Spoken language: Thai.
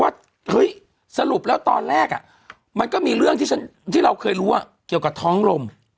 ว่าเฮ้ยสรุปแล้วตอนแรกมันก็มีเรื่องที่เราเคยรู้เกี่ยวกับท้องลม